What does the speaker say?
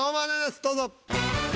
どうぞ。